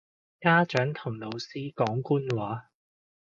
家長同老師講官話